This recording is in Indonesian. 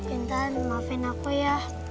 intan maafin aku ya